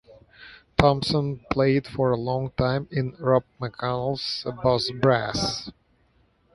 Thompson played for a long time in Rob McConnell's Boss Brass.